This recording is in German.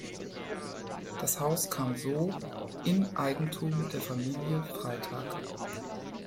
Das Haus kam so in Eigentum der Familie Freytag.